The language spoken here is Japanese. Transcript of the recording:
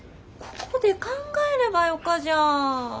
ここで考えればよかじゃん。